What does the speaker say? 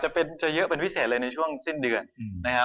จะเยอะเป็นพิเศษเลยในช่วงสิ้นเดือนนะครับ